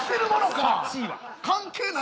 関係ないぞ。